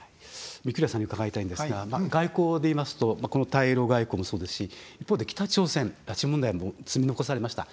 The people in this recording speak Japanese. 御厨さんに伺いたいんですが外交で言いますとこの対ロ外交もそうですし一方で北朝鮮、拉致問題も積み残されました。